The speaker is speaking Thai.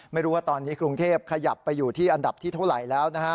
ไม่รู้ว่าตอนนี้กรุงเทพขยับไปอยู่ที่อันดับที่เท่าไหร่แล้วนะฮะ